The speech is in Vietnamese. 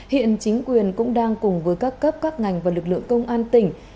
hiện chính quyền cũng đang cùng với các cấp các ngành và lực lượng công an tỉnh